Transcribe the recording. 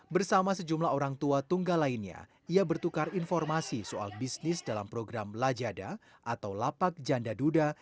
bersama sejumlah orang tua tunggal lainnya ia bertukar informasi soal bisnis dalam program lajada atau lapak janda duda